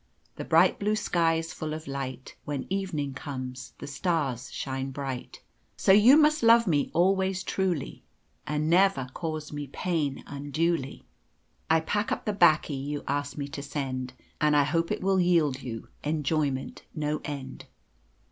The bright blue sky is full of light, When evening comes the stars shine bright. So you must love me always truly, And never cause me pain unduly, I pack up the 'baccy you asked me to send, And I hope it will yield you enjoyment no end.